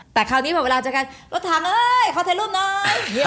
แต่คราวนี้พอเวลาเจอกันรถทางเอ้ยขอถ่ายรูปหน่อย